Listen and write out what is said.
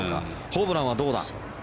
ホブランはどうだ。